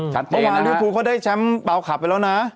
ลียวทูลเขาได้แชมป์เปล่าขับไปแล้วนะ